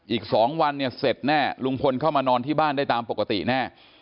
อีก๒วันเนี่ยเสร็จแน่ลุงพลเข้ามานอนที่บ้านได้ตามปกติแน่